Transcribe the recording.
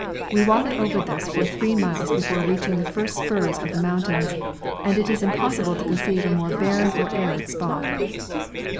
We walked over this for three miles before reaching the first spurs of the mountains, and it is impossible to conceive a more barren or arid spot.